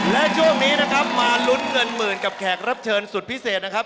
และช่วงนี้นะครับมาลุ้นเงินหมื่นกับแขกรับเชิญสุดพิเศษนะครับ